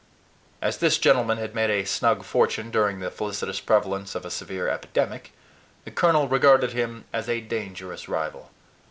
As this gentleman had made a snug fortune during the felicitous prevalence of a severe epidemic, the colonel regarded him as a dangerous rival.